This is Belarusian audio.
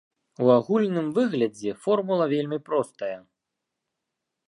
У агульным выглядзе формула вельмі простая.